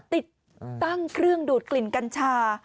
ติดตั้งเครื่องดูดกลิ่นกัญชา